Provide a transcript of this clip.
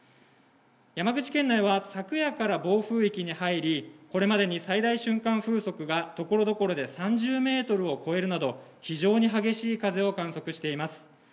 山口県内は昨夜から暴風域に入り、これまでに最大瞬間風速が所々で３０メートルを超えるなど、非常に激しい風を観測しています。